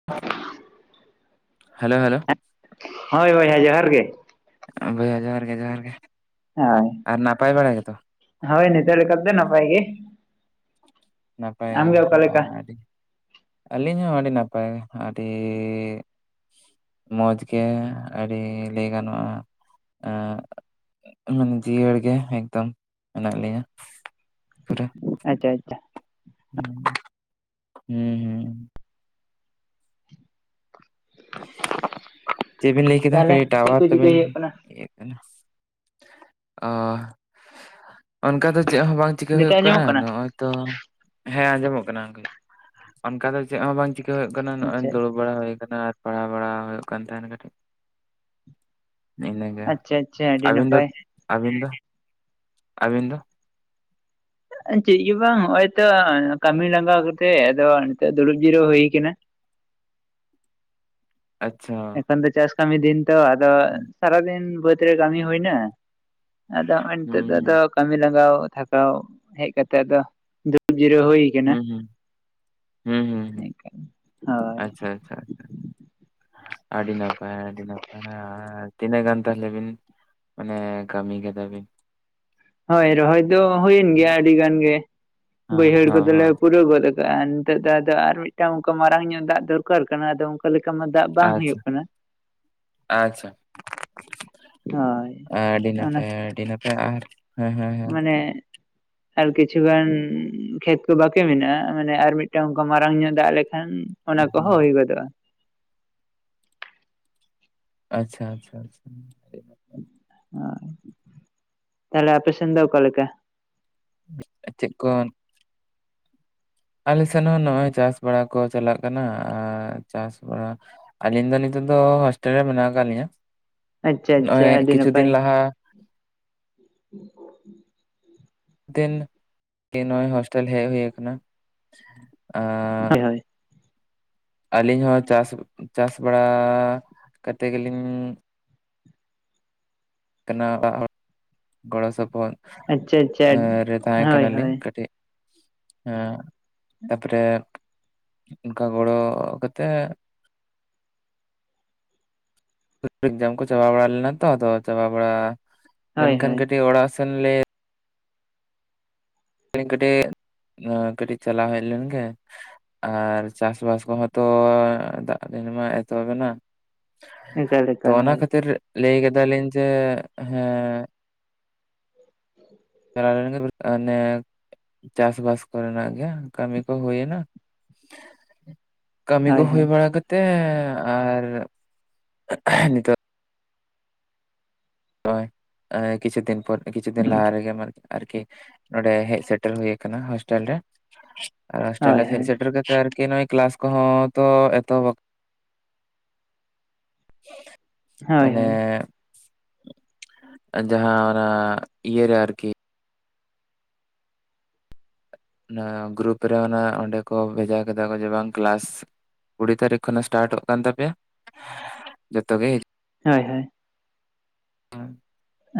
[unintelligible] Hello hello ᱦᱳᱭ ᱵᱚᱭᱦᱟ ᱡᱚᱦᱟᱨ ᱜᱮ ᱵᱚᱭᱦᱟ ᱡᱚᱦᱟᱨ ᱜᱮ ᱡᱚᱦᱟᱨ ᱜᱮ ᱦᱳᱭ ᱟᱨ ᱱᱟᱯᱟᱭ ᱵᱟᱲᱟ ᱜᱮᱛᱚ? ᱦᱳᱭ ᱱᱤᱛᱚᱜ ᱞᱮᱠᱟᱛᱮ ᱱᱟᱯᱟᱭ ᱜᱮ ᱱᱟᱯᱟᱭ ᱟᱢᱜᱮ ᱜᱮ ᱚᱠᱟᱞᱮᱠᱟ ᱟᱹᱰᱤ ᱟᱹᱞᱤᱧ ᱦᱚᱸ ᱟᱹᱰᱤ ᱱᱟᱯᱟᱭ ᱟᱹᱰᱤ ᱟᱰᱤ ᱢᱚᱡᱽ ᱜᱮ ᱟᱹᱰᱤ ᱞᱟᱹᱭ ᱜᱟᱱᱚᱜ-ᱟ ᱟᱨ ᱢᱟᱱᱮ ᱡᱤᱭᱟᱹᱲ ᱜᱮ ᱮᱠᱫᱚᱢ ᱢᱮᱱᱟᱜ ᱞᱮᱭᱟ ᱯᱩᱨᱟᱹ ᱟᱪᱪᱷᱟ ᱟᱪᱷᱟ ᱦᱩᱸ ᱦᱩᱸ ᱪᱮᱫ ᱵᱤᱱ ᱞᱟᱹᱭ ᱠᱮᱫᱟ ᱛᱟᱦᱚᱞᱮ ᱠᱟᱹᱴᱤᱡ ᱪᱮᱫ ᱴᱟᱣᱟᱨ ᱠᱚ ᱪᱤᱠᱟᱹᱭ ᱛᱟᱵᱤᱱ ᱦᱩᱭᱩᱜ ᱠᱟᱱᱟ ᱚ ᱚᱱᱠᱟ ᱫᱚ ᱪᱮᱫ ᱦᱚᱸ ᱵᱟᱝ ᱪᱤᱠᱟᱹ ᱱᱤᱛᱚᱜ ᱦᱩᱭᱩᱜ ᱠᱟᱱᱟ ᱟᱸᱡᱚᱢᱚᱜ ᱱᱚᱜᱚᱭ ᱛᱚ ᱦᱮᱸ ᱟᱸᱡᱚᱢᱚᱜ ᱠᱟᱱᱟ ᱚᱱᱠᱟ ᱫᱚ ᱪᱮᱫ ᱦᱚᱸ ᱵᱟᱝ ᱪᱤᱠᱟᱹ ᱦᱩᱭᱩᱜ ᱠᱟᱱᱟ ᱱᱚᱜᱚᱭ ᱟᱪᱪᱷᱟ ᱫᱩᱲᱩᱵ ᱵᱟᱲᱟ ᱦᱩᱭ ᱠᱟᱱᱟ ᱟᱨ ᱯᱟᱲᱦᱟᱣ ᱵᱟᱲᱟ ᱦᱩᱭᱩᱜ ᱠᱟᱱ ᱛᱟᱦᱮᱱᱟ ᱠᱟᱹᱴᱤᱡ᱾ ᱤᱱᱟᱹᱜᱮ ᱟᱪᱪᱷᱟ ᱟᱪᱪᱷᱟ ᱟᱹᱰᱤ ᱟᱹᱵᱤᱱ ᱫᱚ ᱱᱟᱯᱟᱭ ᱟᱹᱵᱤᱱ ᱫᱚ ᱟᱹᱵᱤᱱ ᱫᱚ? ᱪᱮᱫ ᱜᱮ ᱵᱟᱝ ᱦᱚᱜᱚᱭ ᱛᱚ ᱠᱟᱹᱢᱤ ᱞᱟᱸᱜᱟᱣ ᱠᱟᱛᱮ ᱟᱫᱚ ᱱᱤᱛᱚᱜ ᱫᱩᱲᱩᱵ ᱡᱤᱨᱟᱹᱣ ᱦᱩᱭ ᱠᱟᱱᱟ᱾ ᱟᱪᱪᱷᱟ᱾ ᱠᱷᱟᱱ ᱫᱚ ᱪᱟᱥ ᱠᱟᱹᱢᱤ ᱫᱤᱱ ᱛᱚ ᱟᱫᱚ ᱥᱟᱨᱟᱫᱤᱱ ᱵᱟᱹᱫᱽ ᱨᱮ ᱠᱟᱹᱢᱤ ᱦᱩᱭ ᱱᱟ᱾ ᱟᱫᱚ ᱦᱚᱜᱚᱭ ᱱᱤᱛᱚᱜ ᱦᱩᱸ ᱫᱚ ᱟᱫᱚ ᱦᱩᱸ ᱠᱟᱹᱢᱤ ᱞᱟᱸᱜᱟᱣ ᱛᱷᱟᱠᱟᱣ ᱦᱮᱡ ᱠᱟᱛᱮᱜ ᱟᱫᱚ ᱫᱩᱲᱩᱵ ᱡᱤᱨᱟᱹᱣ ᱦᱩᱭ ᱠᱟᱱᱟ ᱦᱩᱸ ᱦᱩᱸ ᱦᱩᱸ ᱦᱩᱸ ᱦᱩᱸ ᱦᱳᱭ᱾ ᱟᱪᱪᱷᱟ ᱟᱪᱪᱷᱟ ᱟᱹᱰᱤ ᱱᱟᱯᱟᱭ ᱟᱹᱰᱤ ᱱᱟᱯᱟᱭ, ᱟᱨ ᱛᱤᱱᱟᱹᱜ ᱜᱟᱱ ᱛᱟᱦᱚᱞᱮ ᱵᱤᱱ ᱢᱟᱱᱮ ᱠᱟᱢᱤ ᱠᱮᱫᱟ ᱵᱤᱱ? ᱦᱳᱭ ᱨᱚᱦᱚᱭ ᱫᱚ ᱦᱩᱭᱮᱱ ᱜᱮᱭᱟ ᱦᱮᱸ ᱟᱹᱰᱤ ᱜᱟᱱ ᱜᱮ᱾ ᱵᱟᱹᱭᱦᱟᱹᱲ ᱦᱮᱸ ᱠᱚᱫᱚᱞᱮ ᱦᱮᱸ ᱯᱩᱨᱟᱹᱣ ᱜᱚᱫ ᱠᱟᱜᱟ ᱱᱤᱛᱚᱜ ᱫᱚ ᱟᱫᱚ ᱟᱨ ᱢᱤᱜᱴᱟᱝ ᱚᱱᱠᱟ ᱢᱟᱨᱟᱝ ᱧᱚᱜ ᱫᱟᱜ ᱫᱚᱨᱠᱟᱨ ᱠᱟᱱᱟ ᱟᱫᱚ᱾ ᱚᱠᱟ ᱞᱮᱠᱟ ᱢᱟ ᱫᱟᱜ ᱵᱟᱝ ᱟᱪᱪᱷᱟ ᱦᱩᱭᱩᱜ ᱠᱟᱱᱟ᱾ ᱟᱪᱪᱷᱟ ᱦᱳᱭ ᱟᱹᱰᱤ ᱚᱱᱟ ᱱᱟᱯᱟᱭ ᱟᱹᱰᱤ ᱱᱟᱯᱟᱭ ᱟᱨ? ᱦᱮᱸ ᱦᱮᱸ ᱦᱮᱸ ᱢᱟᱱᱮ [inaudible] ᱟᱨ ᱠᱤᱪᱷᱩ ᱜᱟᱱ ᱠᱷᱮᱛ ᱠᱚ ᱵᱟᱠᱮ ᱢᱮᱱᱟᱜᱼᱟ ᱢᱟᱱᱮ ᱟᱨ ᱢᱤᱫᱴᱟᱝ ᱚᱱᱠᱟ ᱢᱟᱨᱟᱝ ᱧᱚᱜ ᱫᱟᱜ ᱞᱮᱠᱷᱟᱱ? ᱚᱱᱟ ᱠᱚᱦᱚᱸ ᱦᱩᱭ ᱜᱚᱫᱚᱜᱼᱟ᱾ ᱟᱪᱪᱷᱟ ᱟᱪᱪᱷᱟ ᱟᱪᱪᱷᱟ ᱛᱟᱦᱞᱮ ᱟᱯᱮ ᱥᱮᱱ ᱚᱠᱟ ᱞᱮᱠᱟ? ᱪᱮᱫ ᱠᱚ ᱟᱞᱮ ᱥᱮᱱ ᱦᱚᱸ ᱱᱚᱜᱚᱭ ᱪᱟᱥ ᱵᱟᱲᱟ ᱠᱚ ᱪᱟᱞᱟᱜ ᱠᱟᱱᱟ᱾ ᱟᱨ ᱪᱟᱥ ᱵᱟᱲᱟ ᱟᱹᱞᱤᱧ ᱫᱚ ᱱᱤᱛᱚᱜ ᱫᱚ ᱦᱳᱥᱴᱮᱞ ᱨᱮ ᱢᱮᱱᱟᱜ ᱟᱠᱟᱜ ᱞᱤᱧᱟᱹ᱾ ᱟᱪᱪᱷᱟ ᱟᱪᱪᱷᱟ ᱱᱚᱜᱚᱭ ᱟᱹᱰᱤ ᱠᱤᱪᱷᱩ ᱱᱟᱯᱟᱭ ᱫᱤᱱ ᱞᱟᱦᱟ ᱫᱤᱱ ᱜᱤ ᱱᱚᱜᱚᱭ ᱦᱳᱥᱴᱮᱞ ᱦᱮᱜ ᱦᱩᱭ ᱟᱠᱟᱱᱟ᱾ ᱟᱨ ᱦᱳᱭ ᱦᱳᱭ ᱟᱹᱞᱤᱧ ᱦᱚᱸ ᱪᱟᱥ ᱪᱟᱥ ᱵᱟᱲᱟ ᱠᱟᱛᱮᱜ ᱜᱮᱞᱤᱧ ᱠᱟᱱᱟ ᱫᱟᱜ ᱦᱚᱸ ᱜᱚᱲᱚ ᱥᱚᱯᱚᱦᱚᱫ᱾ ᱟᱪᱪᱷᱟ ᱟᱪᱪᱷᱟ ᱟᱨ ᱛᱟᱦᱮ ᱦᱳᱭ ᱠᱟᱱᱟᱞᱤᱝ ᱦᱳᱭ ᱠᱟᱴᱤᱡ᱾ ᱦᱮᱸ ᱛᱟᱯᱚᱨᱮ ᱚᱱᱠᱟ ᱜᱚᱲᱚ ᱠᱟᱛᱮᱜ ᱵᱷᱚᱡ ᱵᱷᱚᱡ ᱡᱟᱢ ᱠᱚ ᱪᱟᱵᱟ ᱵᱟᱲᱟ ᱞᱮᱱᱟ ᱛᱚ ᱟᱫᱚ ᱪᱟᱵᱟ ᱵᱟᱲᱟ ᱦᱳᱭ ᱞᱮᱱᱠᱷᱟᱱ ᱦᱳᱭ ᱠᱟᱹᱴᱤᱡ ᱚᱲᱟᱜ ᱥᱮᱱ ᱞᱮ ᱟᱹᱞᱤᱧ ᱠᱟᱹᱴᱮᱜ ᱠᱟᱹᱴᱤᱡ ᱪᱟᱞᱟᱣ ᱦᱮᱡ ᱞᱮᱱ ᱜᱮ ᱟᱨ ᱪᱟᱥᱵᱟᱥ ᱠᱚᱦᱚᱸ ᱛᱚ ᱫᱟᱜ ᱫᱤᱱ ᱢᱟ ᱮᱛᱚᱦᱚᱵ ᱮᱱᱟ᱾ ᱮᱠᱟᱞ ᱛᱚ ᱮᱠᱟᱞ ᱚᱱᱟ ᱦᱳᱭ ᱠᱷᱟᱹᱛᱤᱨ ᱞᱟᱹᱭ ᱠᱮᱫᱟᱞᱤᱧ ᱡᱮ ᱦᱮᱸ᱾ [unintelligible] [inaudible] ᱦᱟᱱᱮ ᱪᱟᱥᱵᱟᱥ ᱠᱚᱨᱮᱱᱟᱜ ᱜᱮ ᱠᱟᱹᱢᱤ ᱠᱚ ᱦᱩᱭᱮᱱᱟ᱾ [unintelligible] ᱠᱟᱹᱢᱤ ᱠᱚ ᱦᱳᱭ ᱦᱩᱭ ᱦᱳᱭ ᱵᱟᱲᱟ ᱠᱟᱛᱮ ᱟᱨ ᱱᱤᱛᱚᱜ ᱯᱚᱹᱭ ᱟᱱᱮ ᱠᱤᱪᱷᱩ ᱫᱤᱱ ᱯᱚᱨ ᱠᱤᱪᱷᱩ ᱫᱤᱱ ᱞᱟᱦᱟ ᱨᱮ ᱨᱮᱜᱮ ᱢᱮ ᱟᱨᱠᱤ ᱱᱚᱸᱰᱮ ᱦᱮᱡ ᱥᱮᱴᱮᱨ ᱦᱩᱭ ᱠᱟᱱᱟ ᱦᱳᱥᱴᱮᱞ ᱨᱮ᱾ ᱟᱨ ᱦᱚᱥᱴᱮᱞ ᱨᱮ ᱦᱳᱭ ᱦᱮᱡ ᱦᱳᱭ ᱥᱮᱴᱮᱨ ᱠᱟᱛᱮᱜ ᱟᱨᱠᱤ ᱱᱚᱜᱚᱭ ᱠᱮᱞᱟᱥ ᱠᱚᱦᱚᱸ ᱛᱚ ᱮᱛᱚ ᱦᱳᱭ ᱢᱟᱱᱮ ᱦᱳᱭ ᱟᱨ ᱡᱟᱦᱟᱸ ᱚᱱᱟ ᱤᱭᱟᱹᱟᱨ ᱟᱨᱠᱤ ᱚᱱᱟ ᱜᱨᱩᱯ ᱨᱮ ᱚᱱᱟ ᱚᱸᱰᱮ ᱠᱚ ᱵᱷᱮᱡᱟ ᱠᱮᱫᱟ ᱠᱚ ᱡᱮ ᱵᱟᱝ ᱠᱮᱞᱟᱥ ᱠᱩᱲᱤ ᱛᱟᱹᱨᱤᱠᱷ ᱠᱷᱚᱱᱟᱜ ᱥᱴᱟᱨᱴᱚᱜ ᱠᱟᱱ ᱛᱟᱯᱮᱭᱟ᱾ ᱡᱚᱛᱚ ᱜᱮ ᱦᱳᱭ ᱦᱳᱭ᱾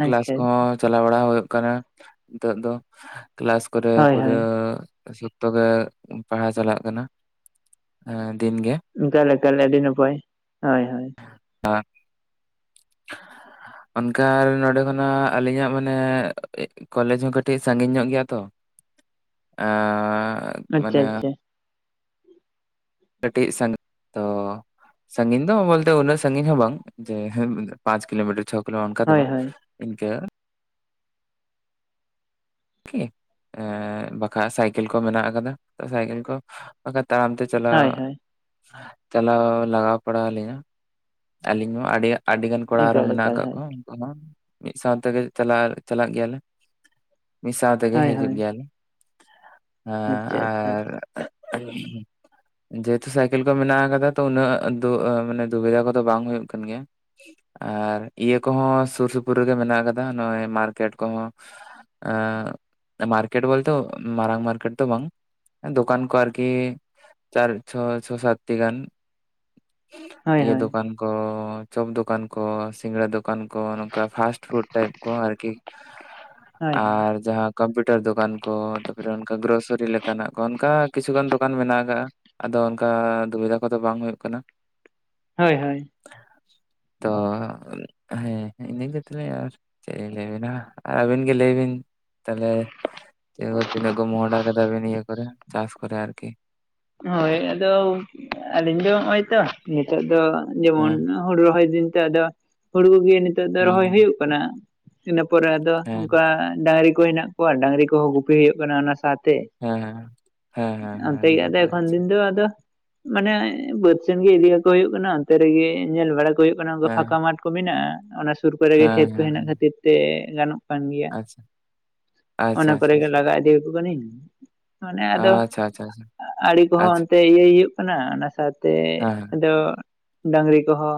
ᱠᱮᱞᱟᱥ ᱟᱪᱪᱷᱟ ᱠᱚᱦᱚᱸ ᱪᱟᱞᱟᱣ ᱵᱟᱲᱟ ᱦᱩᱭᱩᱜ ᱠᱟᱱᱟ ᱱᱤᱛᱚᱜ ᱫᱚ᱾ ᱠᱮᱞᱟᱥ ᱠᱚᱨᱮ ᱦᱳᱭ ᱯᱩᱨᱟᱹ ᱦᱳᱭ ᱛᱚᱵᱮ ᱯᱟᱲᱦᱟᱭ ᱪᱟᱞᱟᱜ ᱠᱟᱱᱟ ᱫᱤᱱ ᱜᱮ᱾ ᱚᱱᱠᱟᱞᱮ ᱛᱟᱞᱮ ᱟᱹᱰᱤ ᱱᱟᱯᱟᱭ ᱦᱳᱭ ᱦᱳᱭ᱾ ᱦᱮᱸ, ᱚᱱᱠᱟ ᱱᱚᱰᱮ ᱠᱷᱚᱱᱟ ᱟᱞᱤᱧᱟᱜ ᱢᱟᱱᱮ, ᱠᱚᱞᱮᱡᱽ ᱦᱚᱸ ᱠᱟᱹᱴᱤᱡ ᱥᱟᱺᱜᱤᱧ ᱧᱚᱜ ᱜᱮᱭᱟ ᱛᱚ᱾ ᱟ ᱟᱪᱪᱷᱟ ᱟᱪᱪᱷᱟ ᱠᱟᱹᱴᱤᱡ ᱥᱟᱸᱜ ᱛᱚ ᱥᱟᱺᱜᱤᱧ ᱫᱚ ᱵᱚᱞᱛᱮ ᱩᱱᱟᱹᱜ ᱥᱟᱺᱜᱤᱧ ᱦᱚᱸ ᱵᱟᱝ ᱡᱮ ᱯᱟᱸᱪ ᱠᱤᱞᱳᱢᱤᱴᱟᱨ ᱪᱷᱚᱠ ᱯᱟᱞᱮ ᱚᱱᱠᱟ ᱫᱚ ᱦᱳᱭ ᱵᱟᱝ ᱦᱳᱭ ᱤᱱᱠᱟᱹ ᱠᱤ ᱮ ᱵᱟᱠᱷᱟᱡ ᱥᱟᱭᱠᱮᱞ ᱠᱚ ᱢᱮᱱᱟᱜ ᱠᱟᱫᱟ ᱥᱟᱭᱠᱮᱞ ᱠᱚ ᱵᱟᱠᱷᱟᱡ ᱛᱟᱲᱟᱢ ᱛᱮ, ᱪᱟᱞᱟᱣ, ᱦᱳᱭ ᱦᱳᱭ ᱪᱟᱞᱟᱣ ᱞᱟᱜᱟᱣ ᱯᱟᱲᱟᱣ ᱟᱹᱞᱤᱧᱟ᱾ ᱟᱹᱞᱤᱧ ᱦᱚᱸ ᱟᱹᱰᱤ ᱟᱹᱰᱤᱜᱟᱱ ᱠᱚᱲᱟ ᱟᱨᱦᱚᱸ ᱮᱠᱟᱞ ᱢᱮᱱᱟᱜ ᱮᱠᱟᱞ ᱟᱠᱟᱫ ᱦᱳᱭ ᱠᱚᱣᱟ᱾ ᱩᱱᱠᱩ ᱦᱚ ᱢᱤᱫ ᱥᱟᱣ ᱛᱮᱜᱮ ᱪᱟᱞᱟᱜ ᱪᱟᱞᱟᱜ ᱜᱮᱭᱟᱞᱮ᱾ ᱢᱤᱫ ᱥᱟᱶ ᱛᱮᱜᱮ ᱦᱳᱭ ᱦᱤᱡᱩᱜ ᱦᱳᱭ ᱜᱮᱭᱟᱞᱮ ᱦᱮᱸ ᱟᱪᱪᱷᱟ ᱟᱪᱪᱷᱟ ᱟᱨ ᱡᱮᱦᱮᱛᱩ ᱥᱟᱭᱠᱮᱞ ᱠᱚ ᱢᱮᱱᱟᱜ ᱟᱠᱟᱫᱟ ᱛᱚ ᱩᱱᱟᱹᱜ ᱫᱩ ᱢᱟᱱᱮ ᱫᱩᱵᱤᱫᱟ ᱠᱚ ᱫᱚ ᱵᱟᱝ ᱦᱩᱭᱩᱜ ᱠᱟᱱ ᱜᱮᱭᱟ᱾ ᱟᱨ ᱤᱭᱟᱹ ᱠᱚᱦᱚᱸ ᱥᱩᱨ ᱥᱩᱯᱩᱨ ᱨᱮᱜᱮ ᱢᱮᱱᱟᱜ ᱠᱟᱫᱟ ᱱᱚᱜᱼᱚᱭ ᱢᱟᱨᱠᱮᱴ ᱠᱚᱦᱚᱸ᱾ ᱟ ᱢᱟᱨᱠᱮᱴ ᱵᱳᱞᱛᱮ ᱢᱟᱨᱟᱝ ᱢᱟᱨᱠᱮᱴ ᱛᱚ ᱵᱟᱝ, ᱫᱚᱳᱠᱟᱱ ᱠᱚ ᱟᱨᱠᱤ ᱪᱟᱨ ᱪᱷᱚ ᱪᱷᱚ ᱥᱟᱛᱴᱤ ᱜᱟᱱ᱾ ᱦᱳᱭ ᱤᱭᱟᱹ ᱦᱳᱭ ᱫᱚᱠᱟᱱ ᱠᱚ ᱪᱚᱯ ᱫᱚᱠᱟᱱ ᱠᱚ ᱥᱤᱜᱲᱟ ᱫᱚᱠᱟ ᱠᱟᱱ ᱠᱚ ᱱᱚᱝᱠᱟ ᱯᱷᱟᱥᱴ ᱯᱷᱩᱰ ᱴᱟᱭᱤᱯ ᱠᱚ ᱟᱨᱠᱤ ᱦᱳᱭ ᱟᱨ ᱡᱟᱦᱟᱸ ᱠᱚᱢᱯᱤᱭᱩᱴᱟᱨ ᱫᱚᱠᱟᱱ ᱠᱚ ᱛᱟᱯᱚᱨᱮ ᱚᱱᱠᱟ ᱜᱨᱚᱥᱟᱨᱤ ᱞᱮᱠᱟᱱᱟᱜ ᱠᱚ ᱚᱱᱠᱟ ᱠᱤᱪᱷᱩ ᱜᱟᱱ ᱫᱚᱠᱟᱱ ᱫᱚᱠᱟᱱ ᱢᱮᱱᱟᱜ ᱠᱟᱜᱼᱟ ᱟᱫᱚ ᱚᱱᱠᱟ ᱫᱩᱵᱤᱫᱷᱟ ᱠᱚᱫᱚ ᱵᱟᱝ ᱦᱩᱭᱩᱜ ᱠᱟᱱᱟ᱾ ᱦᱳᱭ ᱦᱳᱭ᱾ ᱛᱚ ᱦᱮᱸ ᱤᱱᱟᱹ ᱜᱮ ᱛᱟᱦᱞᱮ ᱟᱨ ᱪᱮᱫ ᱤᱧ ᱞᱟᱹᱭ ᱟᱵᱤᱱᱟ, ᱟᱨ ᱟᱹᱵᱤᱱ ᱜᱮ ᱞᱟᱹᱭ ᱵᱤᱱ? ᱛᱟᱦᱚᱞᱮ ᱪ [unintelligible] ᱛᱤᱱᱟᱹᱜ ᱜ [unintelligible] ᱢᱚᱦᱰᱟ ᱠᱮᱫᱟᱵᱤᱱ ᱤᱭᱟᱹ ᱠᱚᱨᱮ ᱪᱟᱥ ᱠᱚᱨᱮ ᱟᱨᱠᱤ? ᱦᱳᱭ ᱟᱫᱚ ᱟᱞᱤᱧ ᱫᱚ ᱱᱚᱜ-ᱚᱭ ᱛᱚ ᱱᱤᱛᱚᱜ ᱫᱚ ᱡᱮᱢᱚᱱ ᱦᱮᱸ ᱦᱩᱲᱩ ᱨᱚᱦᱚᱭ ᱫᱤᱱ ᱛᱚ ᱟᱫᱚ ᱦᱩᱲ ᱜᱮ ᱱᱤᱛᱚᱜ ᱫᱚ ᱦᱩᱸ ᱨᱚᱦᱚᱭ ᱦᱩᱸ ᱦᱩᱭᱩᱜ ᱠᱟᱱᱟ ᱤᱱᱟᱹ ᱯᱚᱨᱮ ᱟᱫᱚ ᱦᱮᱸ ᱚᱱᱠᱟ ᱰᱟᱺᱝᱨᱤ ᱠᱚ ᱦᱮᱱᱟᱜ ᱠᱚᱭᱟ ᱰᱟᱺᱝᱨᱤ ᱠᱚᱦᱚᱸ ᱜᱩᱯᱤ ᱦᱩᱭᱩᱜ ᱠᱟᱱᱟ ᱚᱱᱟ ᱥᱟᱶᱛᱮ᱾ ᱦᱮᱸ ᱦᱮᱸ ᱦᱮᱸ ᱦᱮᱸ ᱦᱮᱸ ᱟᱹᱰᱤ ᱱᱟᱯᱟᱭ᱾ ᱟᱪᱪᱷᱟ ᱱᱤᱛ ᱫᱚ ᱟᱫᱚ ᱢᱟᱱᱮ ᱵᱟᱹᱫᱽ ᱥᱮᱱ ᱜᱮ ᱤᱫᱤ ᱠᱟᱠᱚ ᱦᱩᱭᱩᱜ ᱠᱟᱱᱟ, ᱚᱱᱛᱮ ᱨᱮᱜᱮ ᱧᱮᱞ ᱵᱟᱲᱟ ᱠᱚ ᱦᱩᱭᱩᱜ ᱠᱟᱱᱟ ᱯᱷᱟᱸᱠᱟ ᱦᱮᱸ ᱢᱟᱴ ᱠᱚ ᱢᱮᱱᱟᱜᱼᱟ᱾ ᱚᱱᱟ ᱥᱩᱨ ᱠᱚᱨᱮ ᱜᱮ ᱠᱷᱮᱛ ᱦᱮᱸ ᱠᱚ ᱦᱮᱸ ᱦᱮᱱᱟᱜ ᱠᱷᱟᱹᱛᱤᱨ ᱛᱮ ᱜᱟᱱᱚᱜ ᱠᱟᱱ ᱜᱮᱭᱟ ᱟᱪᱪᱷᱟ ᱚᱱᱟ ᱠᱚᱨᱮ ᱜᱮ ᱞᱟᱜᱟ ᱤᱫᱤ ᱠᱟᱠᱚ ᱠᱟᱹᱱᱟᱹᱧ᱾ ᱟᱪᱪᱷᱟ ᱟᱪᱪᱷᱟ ᱟᱪᱪᱷᱟ᱾ ᱫᱟᱨᱤ ᱠᱚᱦᱚᱸ ᱚᱱᱛᱮ ᱤᱭᱟᱹᱭ ᱦᱩᱭᱩᱜ ᱠᱟᱱᱟ ᱚᱱᱟ ᱥᱟᱸᱶᱛᱮ ᱟᱫᱚ, ᱰᱟᱺᱝᱨᱤ ᱠᱚᱦᱚᱸ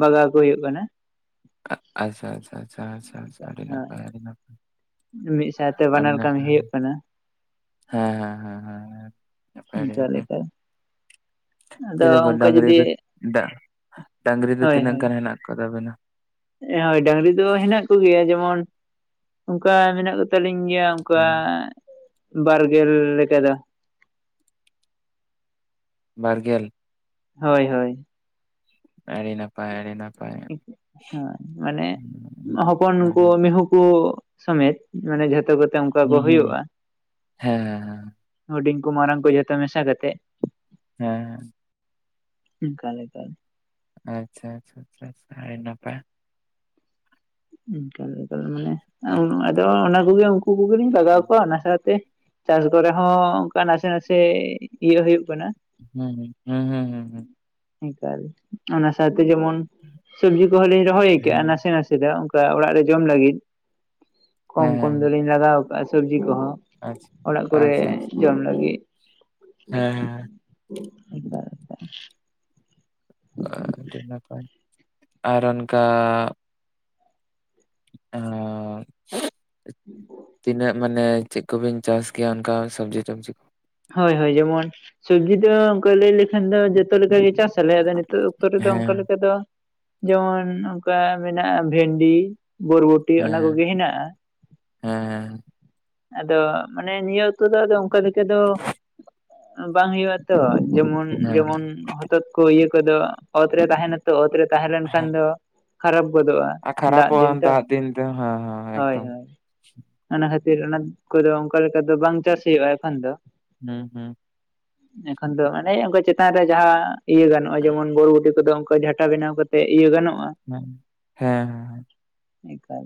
ᱵᱟᱜᱟᱣ ᱠᱚ ᱦᱩᱭᱩᱜ ᱠᱟᱱᱟ᱾ ᱟᱪᱪᱷᱟ ᱟᱪᱪᱷᱟ ᱟᱪᱪᱷᱟ ᱟᱪᱪᱷᱟ ᱟᱪᱷᱟ ᱟᱹᱰᱤ ᱦᱳᱭ ᱱᱟᱯᱟᱭ ᱟᱹᱰᱤ ᱱᱟᱯᱟᱭ᱾ ᱢᱤᱫ ᱥᱟᱸᱶᱛᱮ ᱵᱟᱱᱟᱨ ᱠᱟᱹᱢᱤ ᱦᱩᱭᱩᱜ ᱠᱟᱱᱟ᱾ ᱦᱮᱸ ᱦᱮᱸ ᱦᱮᱸ ᱦᱮᱸ ᱱᱟᱯᱟᱭ ᱟᱹᱰᱤ ᱚᱱᱠᱟ ᱱᱟᱯᱟᱭ᱾ ᱞᱮᱠᱟ ᱟᱫᱚ ᱪᱮᱞᱮ ᱜᱳ ᱚᱱᱠᱟ ᱰᱟᱺᱝᱨᱤ ᱡᱩᱫᱤ ᱫᱚ ᱫᱟᱜ, ᱰᱟᱺᱝᱨᱤ ᱫᱚ ᱦᱳᱭ ᱛᱤᱱᱟᱹᱜ ᱦᱳᱭ ᱜᱟᱱ ᱦᱮᱱᱟᱜ ᱠᱚ ᱛᱟᱵᱮᱱᱟ? ᱦᱳᱭ ᱰᱟᱺᱝᱨᱤ ᱫᱚ ᱦᱮᱱᱟᱜ ᱠᱚᱜᱮᱭᱟ ᱡᱮᱢᱚᱱ ᱚᱱᱠᱟ ᱢᱮᱱᱟᱜ ᱠᱚ ᱛᱟᱞᱤᱧ ᱜᱮᱭᱟ ᱚᱱᱠᱟ ᱦᱮᱸ, ᱵᱟᱨᱜᱮᱞ ᱞᱮᱠᱟ ᱫᱚ᱾ ᱵᱟᱨᱜᱮᱞ᱾ ᱦᱳᱭ ᱦᱳᱭ, ᱟᱹᱰᱤ ᱱᱟ ᱯᱟᱭ ᱟᱹᱰᱤ ᱱᱟᱯᱟᱭ᱾ ᱦᱮᱸ, [inaudible] ᱦᱮᱸ ᱢᱟᱱᱮ ᱦᱚᱯᱚᱱ ᱦᱮᱸ, ᱠᱚ ᱢᱤᱦᱩ ᱠᱚ ᱥᱚᱢᱮᱛ ᱢᱟᱱᱮ ᱡᱷᱚᱛᱚ ᱠᱚᱛᱮ ᱚᱝᱠᱟ ᱠᱚ ᱦᱩᱸ, ᱦᱩᱭᱩᱜᱼᱟ᱾ ᱦᱩᱸ, ᱦᱮᱸ, ᱦᱮᱸ, ᱦᱩᱸᱰᱤᱧ ᱠᱩ ᱢᱟᱨᱟᱝ ᱠᱚ ᱡᱷᱚᱛᱚ ᱢᱮᱥᱟ ᱠᱟᱛᱮᱜ, ᱦᱮᱸ ᱦᱮᱸ᱾ ᱚᱝᱠᱟ ᱠᱟᱞᱮ᱾ ᱟᱪᱪᱷᱟ ᱟᱪᱪᱷᱟ ᱟᱪᱪᱷᱟ ᱟᱪᱪᱷᱟ ᱟᱹᱰᱤ ᱱᱟᱯᱟᱭ᱾ ᱚᱝᱠᱟ ᱞᱮᱠᱟ ᱢᱟᱱᱮ ᱦᱩᱸ, ᱟᱫᱚ ᱚᱱᱟ ᱠᱚᱜᱮ ᱩᱱᱠᱩ ᱠᱚᱜᱮᱞᱤᱧ ᱵᱟᱜᱟᱣ ᱠᱚᱣᱟ ᱚᱱᱟ ᱥᱟᱶᱛᱮ, ᱪᱟᱥ ᱠᱚᱨᱮ ᱦᱚᱸ ᱚᱝᱠᱟ ᱱᱟᱥᱮ ᱱᱟᱥᱮ ᱤᱭᱟᱹ ᱦᱩᱭᱩᱜ ᱠᱟᱱᱟ᱾ ᱦᱩᱸ ᱦᱩᱸ ᱦᱩᱸ ᱦᱩᱸ ᱦᱩᱸ ᱦᱩᱸ᱾ ᱚᱝᱠᱟ [unintelligible] ᱚᱱᱟ ᱥᱟᱶᱛᱮ ᱡᱮᱢᱚᱱ ᱥᱚᱵᱽᱡᱤ ᱠᱚᱦᱚᱸ ᱞᱤᱧ ᱨᱚᱦᱚᱭ ᱠᱟᱜᱼᱟ ᱦᱮᱸ, ᱱᱟᱥᱮ ᱱᱟᱥᱮ ᱫᱚ᱾ ᱚᱝᱠᱟ ᱚᱲᱟᱜ ᱨᱮ ᱡᱚᱢ ᱞᱟᱹᱜᱤᱫ, ᱦᱮᱸ, ᱠᱚᱢ ᱠᱚᱢ ᱦᱮᱸ, ᱦᱮᱸ, ᱫᱚᱞᱤᱧ ᱞᱟᱜᱟᱣ ᱠᱟᱜᱼᱟ ᱥᱚᱵᱽᱡᱤ ᱠᱚᱦᱚᱸ᱾ ᱟᱪᱪᱷᱟ, ᱚᱲᱟᱜ ᱠᱚᱨᱮ ᱟᱪᱪᱷᱟ, ᱟᱪᱪᱷᱟ, ᱦᱮᱸ, ᱡᱚᱢ ᱞᱟᱹᱜᱤᱜ, ᱦᱮᱸ, ᱚᱝᱠᱟ ᱞᱮᱠᱟ ᱟᱰᱤᱻ ᱱᱟᱯᱟᱭ ᱟᱨ ᱚᱱᱠᱟ ᱟᱸᱻ ᱛᱤᱱᱟᱹᱜ ᱢᱟᱱᱮ ᱪᱮᱜ ᱠᱚᱵᱤᱱ ᱪᱟᱥ ᱠᱮᱭᱟ ᱚᱱᱠᱟ ᱥᱚᱵᱽᱡᱤ ᱴᱚᱵᱡᱤ ᱠᱚ? ᱦᱳᱭ ᱦᱳᱭ ᱡᱮᱢᱚᱱ ᱥᱚᱵᱽᱡᱤ ᱫᱚ ᱚᱝᱠᱟ ᱞᱟᱹᱭ ᱞᱮᱠᱷᱟᱱ ᱫᱚ ᱡᱚᱛᱚ ᱞᱮᱠᱟ ᱜᱮ ᱪᱟᱥᱟᱞᱮ, ᱟᱫᱚ ᱱᱤᱛᱚᱜ ᱚᱠᱛᱚ ᱨᱮᱫᱚ ᱚᱝᱠᱟ ᱦᱮᱸ ᱞᱮᱠᱟ ᱫᱚ ᱡᱮᱢᱚᱱ ᱚᱱᱠᱟ ᱢᱮᱱᱟᱜᱼᱟ ᱵᱷᱮᱱᱰᱤ ᱵᱳᱨᱵᱷᱩ ᱴᱤ ᱦᱮᱸ ᱚᱱᱟᱠᱚᱜᱮ ᱦᱮᱱᱟᱜ-ᱟ᱾ ᱦᱮᱸ ᱟᱫᱚ ᱢᱟᱱᱮ ᱱᱤᱭᱟᱹ ᱚᱠᱛᱚ ᱫᱚ ᱚᱝᱠᱟ ᱞᱮᱠᱟ ᱫᱚ ᱵᱟᱝ ᱦᱩᱭᱩᱜᱼᱟ ᱛᱚ ᱡᱮᱢᱚᱱ ᱦᱮᱸ ᱡᱮᱢᱚᱱ ᱦᱚᱛᱚᱫ ᱠᱚ ᱤᱭᱟᱹ ᱠᱚᱫᱚ ᱚᱛ ᱨᱮ ᱛᱟᱦᱮᱸᱱᱟᱛᱚ ᱚᱛ ᱨᱮ ᱛᱟᱦᱮᱸ ᱞᱮᱱ ᱠᱷᱟᱱ ᱦᱮᱸ ᱫᱚ ᱠᱷᱟᱨᱟᱯ ᱜᱚᱫᱚᱜᱼᱟ᱾ ᱟᱨ ᱫᱟᱜᱽ ᱠᱷᱟᱨᱟᱯᱚᱜᱼᱟ ᱫᱤᱱ ᱛᱚ ᱫᱟᱜ ᱫᱤᱱ ᱫᱚ ᱦᱮᱸ ᱦᱮᱸ ᱦᱳᱭ ᱮᱠᱫᱚᱢ ᱦᱳᱭ, ᱚᱱᱟ ᱠᱷᱟᱹᱛᱤᱨ ᱚᱱᱟ ᱠᱚᱫᱚ ᱚᱱᱠᱟ ᱞᱮᱠᱟ ᱫᱚ ᱵᱟᱝ ᱪᱟᱥ ᱦᱩᱭᱩᱜᱼᱟ ᱮᱠᱷᱚᱱ ᱫᱚ᱾ ᱦᱩᱸ ᱦᱩᱸ ᱮᱠᱷᱟᱱ ᱫᱚ ᱚᱱᱮ ᱚᱝᱠᱟ ᱪᱮᱛᱟᱱ ᱨᱮ ᱡᱟᱦᱟᱸ ᱤᱭᱟᱹ ᱜᱟᱱᱚᱜᱼᱟ ᱡᱮᱢᱚᱱ ᱵᱚᱨᱵᱩᱴᱤ ᱠᱚᱫᱚ ᱚᱝᱠᱟ ᱡᱷᱟᱴᱟ ᱵᱮᱱᱟᱣ ᱠᱟᱛᱮᱜ ᱤᱭᱟᱹ ᱜᱟᱱᱚᱜ ᱦᱮᱸ ᱦᱮᱸ ᱦᱮᱸ ᱦᱮᱸ, ᱮᱠᱟᱞ,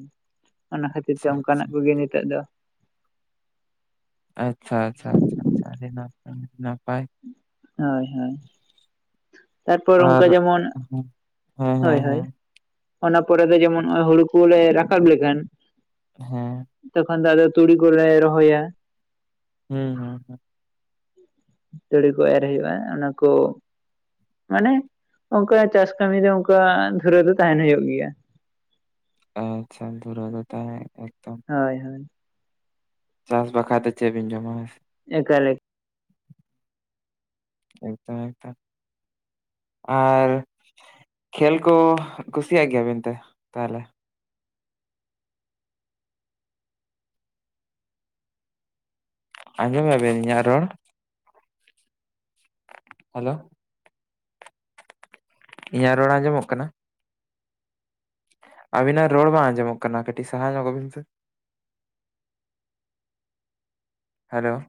ᱚᱱᱟ ᱠᱷᱟᱹᱛᱤᱨ ᱛᱮ ᱟᱪᱪᱷᱟ ᱚᱱᱠᱟᱱᱟᱜ ᱠᱚᱜᱮ ᱱᱤᱛᱚᱜ ᱫᱚ᱾ ᱟᱪᱪᱷᱟ ᱟᱪᱪᱷᱟ ᱟᱪᱪᱷᱟ ᱟᱪᱪᱷᱟ, ᱟᱰᱤ ᱱᱟᱯᱟᱭ ᱱᱟᱯᱟᱭ᱾ ᱦᱳᱭ ᱦᱳᱭ, ᱛᱟᱨᱯᱚᱨ ᱚᱱᱠᱟ ᱟᱨ ᱡᱮᱢᱚᱱ ᱦᱮᱸ ᱦᱮᱸ ᱦᱳᱭ ᱦᱮᱸ ᱦᱳᱭ ᱦᱮᱸ ᱚᱱᱟ ᱯᱚᱨᱮ ᱨᱮ ᱡᱮᱢᱚᱱ ᱦᱚᱸᱜᱼᱚᱭ ᱦᱩᱲᱩ ᱠᱚᱞᱮ ᱨᱟᱠᱟᱵ ᱞᱮᱠᱷᱟᱱ ᱦᱮᱸ ᱛᱚᱠᱷᱚᱱ ᱫᱚ ᱟᱫᱚ ᱛᱩᱲᱤ ᱠᱚᱞᱮ ᱨᱚᱦᱚᱭᱟ᱾ ᱦᱮᱸ ᱦᱩᱸ ᱦᱩᱸ ᱛᱩᱲᱤ ᱠᱚ ᱮᱨ ᱦᱩᱭᱩᱜᱼᱟ ᱚᱱᱟ ᱠᱚ ᱢᱟᱱᱮ ᱚᱝᱠᱟ ᱪᱟᱥ ᱠᱟᱹᱢᱤ ᱫᱚ ᱚᱝᱠᱟ ᱫᱷᱩᱨᱟᱹ ᱫᱚ ᱛᱟᱦᱮᱸᱱ ᱦᱩᱭᱩᱜ ᱜᱮᱭᱟ᱾ ᱟᱪᱪᱷᱟ ᱫᱩᱨᱟᱹᱣ ᱫᱚ ᱛᱟᱸᱦᱮ ᱮᱠᱫᱚᱢ᱾ ᱦᱳᱭ ᱦᱳᱭ, ᱪᱟᱥ ᱵᱟᱠᱷᱟᱭ ᱫᱚ ᱪᱮᱜ ᱵᱤᱱ ᱡᱚᱢᱟ ᱦᱮᱸ ᱥᱮ ᱮᱠᱟᱞ ᱮᱠ ᱮᱠᱫᱚᱢ ᱮᱠᱫᱚᱢ, ᱟᱨ ᱠᱷᱮᱞ ᱠᱚ ᱠᱩᱥᱤᱭᱟᱜ ᱜᱮᱭᱟᱵᱤᱱ ᱛᱚ ᱦᱮ ᱵᱟᱝ [unintelligible] ᱟᱸᱡᱚᱢ ᱢᱮ-ᱟ ᱵᱤᱱ ᱤᱧᱟᱜ ᱨᱚᱲ? [inaudible] ᱦᱮᱞᱳ? ᱤᱧᱟᱹᱜ ᱨᱚᱲ ᱟᱸᱡᱚᱢᱚᱜ ᱠᱟᱱᱟ? ᱟᱵᱤᱱᱟᱜ ᱨᱚᱲ ᱵᱟᱝ ᱟᱸᱡᱚᱢᱚᱜ ᱠᱟᱱᱟ ᱠᱟᱹᱴᱤᱡ ᱥᱟᱦᱟ ᱧᱚᱜᱚᱜ ᱵᱤᱱ ᱥᱮ᱾ ᱦᱮᱞᱳ?